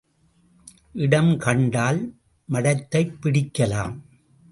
இடம் கண்டால் மடத்தைப் பிடிக்கலாம்.